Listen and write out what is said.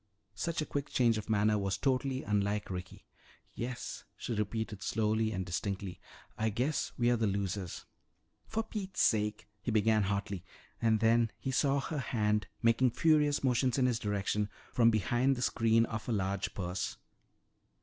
Such a quick change of manner was totally unlike Ricky. "Yes," she repeated slowly and distinctly, "I guess we're the losers " "For Pete's sake " he began hotly and then he saw her hand making furious motions in his direction from behind the screen of her large purse.